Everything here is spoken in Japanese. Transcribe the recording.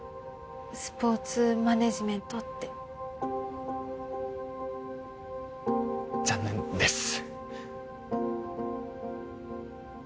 スポーツマネージメントって残念です